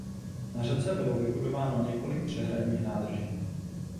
Na řece bylo vybudováno několik přehradních nádrží.